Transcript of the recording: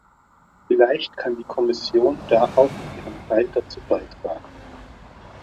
Vielleicht kann die Kommission da auch ihren Teil dazu beitragen.